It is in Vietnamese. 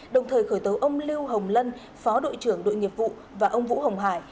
đồng thời khởi tố ông lưu hồng lân phó đội trưởng đội nghiệp vụ và ông vũ hồng hải